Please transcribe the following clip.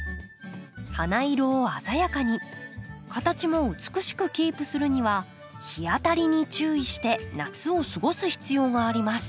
花色を鮮やかに形も美しくキープするには日当たりに注意して夏を過ごす必要があります。